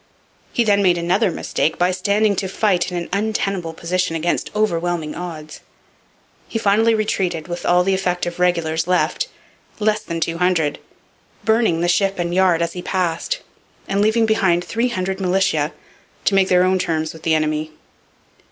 He then made another mistake by standing to fight in an untenable position against overwhelming odds. He finally retreated with all the effective regulars left, less than two hundred, burning the ship and yard as he passed, and leaving behind three hundred militia to make their own terms with the enemy.